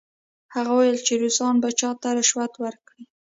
هغه وویل چې روسان به چا ته رشوت ورکړي؟